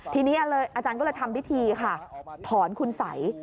ทีนี้อาจารย์ก็เลยทำพิธีค่ะถอนคุณสัย